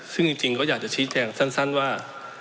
ซึ่งจริงก็อยากจะชี้แจงสั้นว่า